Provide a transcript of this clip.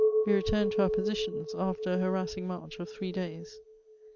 We returned to our positions, after a harassing march of three days.